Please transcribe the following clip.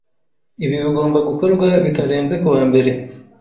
Ibi bigomba gukorwa bitarenze kuwa mbere.